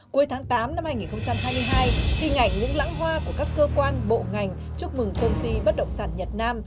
cuối tháng tám năm hai nghìn hai mươi hai hình ảnh những lãng hoa của các cơ quan bộ ngành chúc mừng công ty bất động sản nhật nam